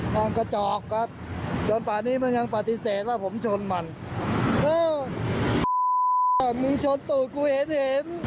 นั่งกระจอกครับจนป่านนี้มันยังปฏิเสธแล้วผมชนมันเออมึงชนตูกูเห็น